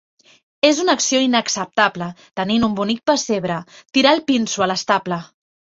És una acció inacceptable, tenint un bonic pessebre, tirar el pinso a l'estable.